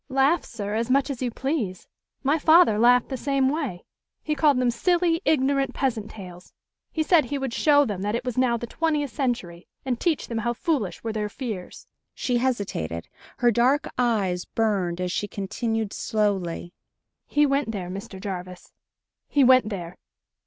"Laugh, sir, as much as you please. My father laughed the same way. He called them silly, ignorant peasant tales. He said he would show them that it was now the twentieth century, and teach them how foolish were their fears." She hesitated. Her dark eyes burned as she continued slowly: "He went there, Mr. Jarvis. He went there!